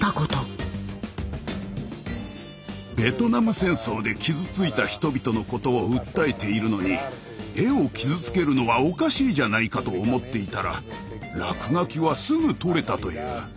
ベトナム戦争で傷ついた人々のことを訴えているのに絵を傷つけるのはおかしいじゃないかと思っていたら落書きはすぐ取れたという。